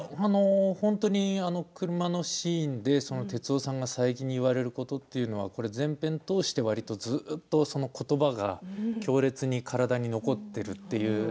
本当に車のシーンで徹生さんが最近言われることというのは全編通して、わりとずっとそのことばが強烈に体に残っているという。